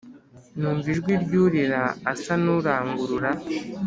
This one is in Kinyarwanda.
numva ijwi ry’urira asa nurangurura